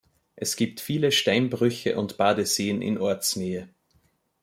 Es gibt viele Steinbrüche und Badeseen in Ortsnähe.